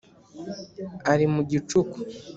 ari mu gicuku